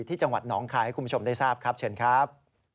ที่จังหวัดหนองคายให้คุณผู้ชมได้ทราบครับเชิญครับ